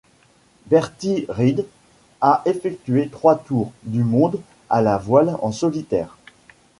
Bertie Reed a effectué trois tours du monde à la voile en solitaire.